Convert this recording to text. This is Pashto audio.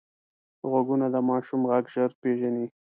غوږونه د ماشوم غږ ژر پېژني